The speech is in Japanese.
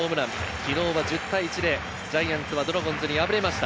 昨日は１０対１でジャイアンツはドラゴンズに敗れました。